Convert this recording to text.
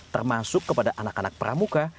termasuk kepada anak anak pramuka